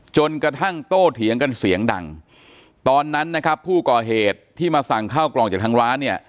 จนกระทั่งโตเถียงกันเสียงดังตอนนั้นนะครับผู้ก่อเหตุที่มาสั่งข้าวกล่องจากทางร้านเนี่ย